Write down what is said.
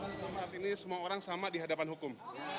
ini saya menunjukkan semua orang sama di hadapan hukum